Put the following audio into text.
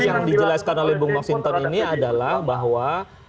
yang dijelaskan oleh bung mas hinton ini adalah bahwa